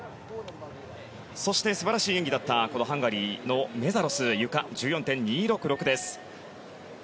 そして素晴らしい演技だったハンガリーのメザロスのゆか１４．２６６です。